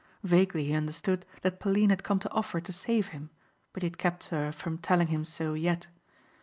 Vaguely he understood that Pauline had come to offer to save him but he had kept her from telling him so yet.